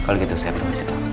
kalau gitu saya progresif pa